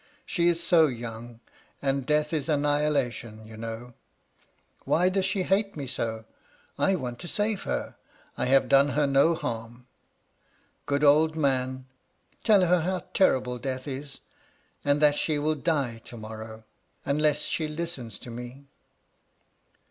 She is so young ; and death is annihilation, you know. Why does she hate me so ? I want to save her ; I have done her no harm. Good old man, tell her how terrible death is; and that she will die to morrow, unless she listens to me.'